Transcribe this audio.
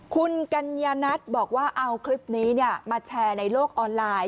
คุณกัญญานัทบอกว่าเอาคลิปนี้มาแชร์ในโลกออนไลน์